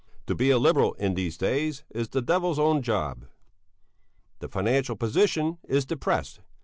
To be a Liberal in these days is the devil's own job. The financial position is depressed.